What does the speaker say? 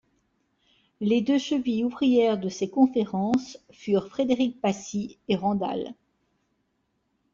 Les deux chevilles ouvrières de ces conférences furent Frédéric Passy et Randal Cremer.